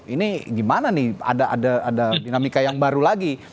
ini gimana nih ada dinamika yang baru lagi